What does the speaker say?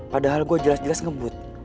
padahal gue jelas jelas ngebut